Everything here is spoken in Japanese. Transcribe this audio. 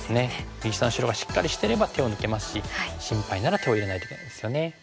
右下の白がしっかりしてれば手を抜けますし心配なら手を入れないといけないですよね。